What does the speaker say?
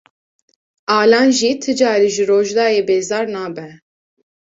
Alan jî ti carî ji Rojdayê bêzar nabe.